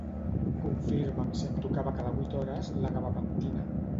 Confirma'm si em tocava cada vuit hores la gabapentina.